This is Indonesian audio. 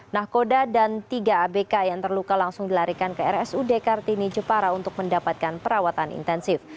nahkoda dan tiga abk yang terluka langsung dilarikan ke rsud kartini jepara untuk mendapatkan perawatan intensif